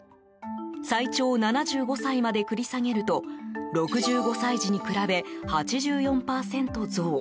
最長７５歳まで繰り下げると６５歳時に比べ、８４％増。